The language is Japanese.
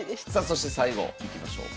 そして最後いきましょう。